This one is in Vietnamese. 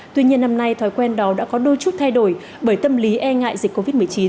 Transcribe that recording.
tuy nhiên năm nay thói quen đó đã có đôi chút thay đổi bởi tâm lý e ngại dịch covid một mươi chín